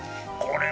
これ！